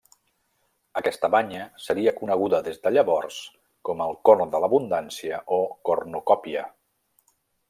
Aquesta banya seria coneguda des de llavors com el corn de l'abundància o cornucòpia.